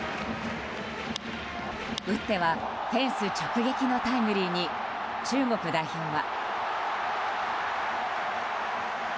打ってはフェンス直撃のタイムリーに中国代表は。